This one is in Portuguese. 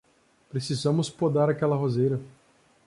Precisamos podar aquela roseira.